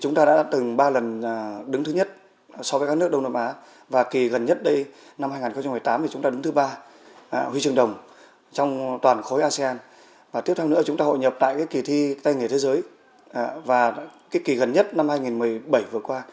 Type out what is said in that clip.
gần nhất năm hai nghìn một mươi bảy vừa qua